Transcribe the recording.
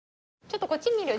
ちょっとこっち見る？